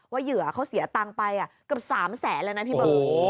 เหยื่อเขาเสียตังค์ไปเกือบ๓แสนแล้วนะพี่เบิร์ต